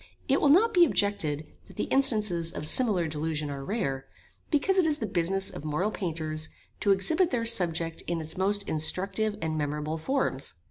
It will not be objected that the instances of similar delusion are rare, because it is the business of moral painters to exhibit their subject in its most instructive and memorable forms.